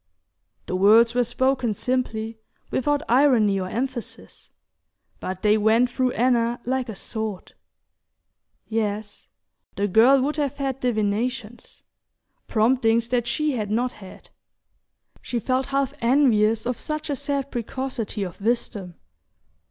The words were spoken simply, without irony or emphasis; but they went through Anna like a sword. Yes, the girl would have had divinations, promptings that she had not had! She felt half envious of such a sad precocity of wisdom.